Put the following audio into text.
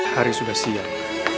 hari sudah siang